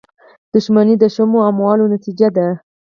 • دښمني د شومو اعمالو نتیجه ده.